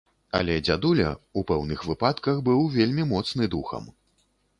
Але дзядуля, у пэўных выпадках, быў вельмі моцны духам.